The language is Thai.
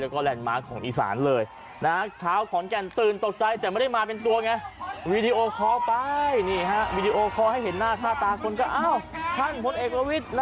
ข้าร๑๙๔๕ขเวทีมลำวง